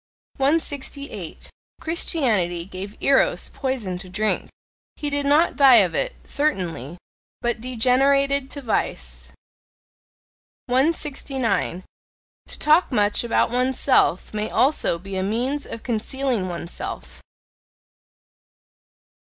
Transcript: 168. Christianity gave Eros poison to drink; he did not die of it, certainly, but degenerated to Vice. 169. To talk much about oneself may also be a means of concealing oneself.